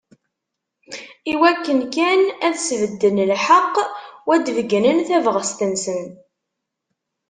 Iwakken kan ad sbedden lḥeqq u ad d-beyynen tabɣest-nsen.